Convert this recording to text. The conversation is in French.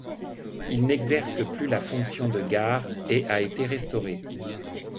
Il n'exerce plus la fonction de gare et a été restauré.